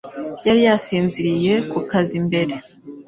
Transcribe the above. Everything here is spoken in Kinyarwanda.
Yari yasinziriye ku kazi mbere